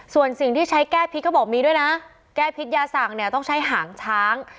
ส่วนสิ่งที่ใช้แก้พิษก็บอกมีด้วยนะแก้พิษยาสั่งเนี่ยต้องใช้หางช้าง